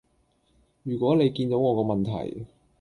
如果你見到我個問題